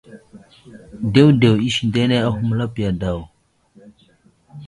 Dewdew isindene ahum lapiya daw.